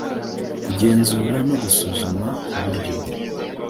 kugenzura no gusuzuma ku buryo